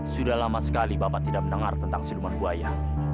sudah lama sekali bapak tidak mendengar tentang siduman buaya